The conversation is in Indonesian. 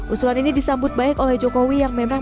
usulan ini disambut baik oleh jokowi yang memang